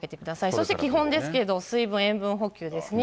そして基本ですけど、水分、塩分補給ですね。